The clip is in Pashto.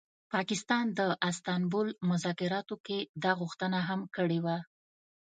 پاکستان د استانبول مذاکراتو کي دا غوښتنه هم کړې وه